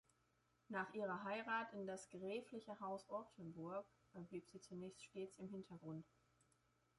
Nach ihrer Heirat in das gräfliche Haus Ortenburg blieb sie zunächst stets im Hintergrund.